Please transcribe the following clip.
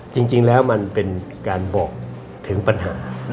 จริงแล้วมันเป็นการบอกถึงปัญหา